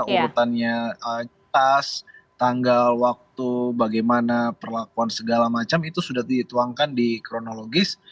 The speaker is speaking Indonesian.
urutannya tas tanggal waktu bagaimana perlakuan segala macam itu sudah dituangkan di kronologis